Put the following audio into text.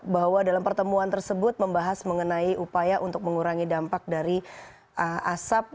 bahwa dalam pertemuan tersebut membahas mengenai upaya untuk mengurangi dampak dari asap